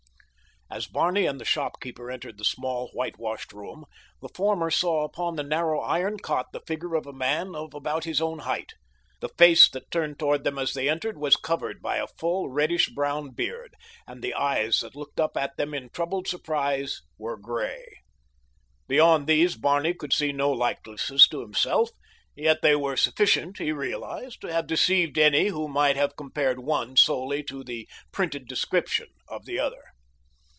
As Barney and the shopkeeper entered the small, whitewashed room, the former saw upon the narrow iron cot the figure of a man of about his own height. The face that turned toward them as they entered was covered by a full, reddish brown beard, and the eyes that looked up at them in troubled surprise were gray. Beyond these Barney could see no likenesses to himself; yet they were sufficient, he realized, to have deceived any who might have compared one solely to the printed description of the other.